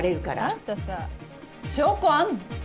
あんたさ証拠あんの？